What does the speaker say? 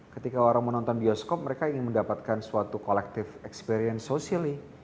ketika orang menonton bioskop mereka ingin mendapatkan suatu collective experience socially